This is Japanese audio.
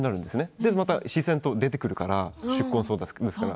でもまた自然と出てくるから宿根草だから。